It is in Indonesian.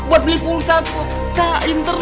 buat beli pulsa kota internet